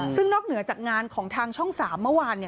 ซึ่งนอกเหนือจากงานของทางช่อง๓เมื่อวาน